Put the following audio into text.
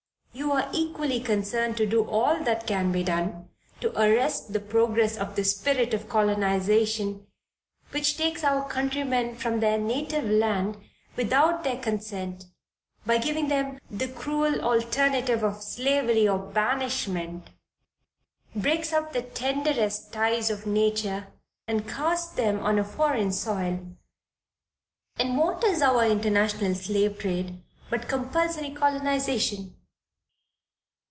You are equally concerned to do all that can be done, to arrest the progress of the spirit of colonization, which takes our countrymen from their native land without their consent, by giving them the cruel alternative of slavery or banishment, breaks up the tenderest ties of nature and casts them on a foreign soil. And what is our international slave trade, but compulsory colonization.